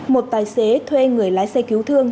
một tài xế thuê người lái xe cứu thương